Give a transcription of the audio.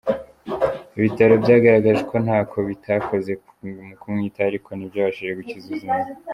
Ibitaro byagaragaje ko ntako bitakoze mu kumwitaho ariko ntibyabashije gukiza ubuzima bwe.